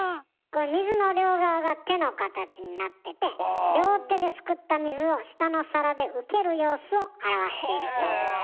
これ水の両側が手の形になってて両手ですくった水を下の皿で受ける様子を表しているそうです。